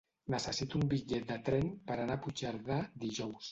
Necessito un bitllet de tren per anar a Puigcerdà dijous.